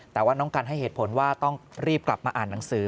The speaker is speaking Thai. แต่ว่าน้องกันให้เหตุผลว่าต้องรีบกลับมาอ่านหนังสือ